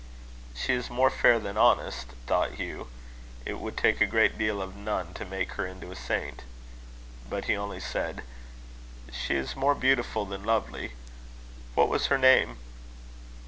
"She is more fair than honest," thought Hugh. "It would take a great deal of nun to make her into a saint." But he only said, "She is more beautiful than lovely. What was her name?"